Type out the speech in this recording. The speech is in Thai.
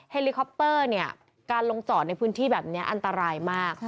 เฮลิคอปเตอร์เนี่ยการลงจอดในพื้นที่แบบนี้อันตรายมาก